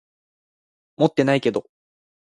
持ってないけど。